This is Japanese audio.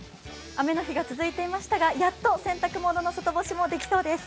雨の日が続いていましたがやっと洗濯物の外干しもできそうです。